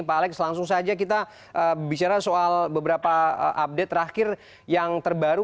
pak alex langsung saja kita bicara soal beberapa update terakhir yang terbaru